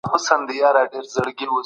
هغه غوښتل پخوانۍ نظریې رد کړي.